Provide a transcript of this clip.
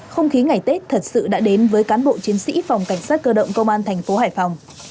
không khí ngày tết thật sự đã đến với cán bộ chiến sĩ phòng cảnh sát cơ động công an thành phố hải phòng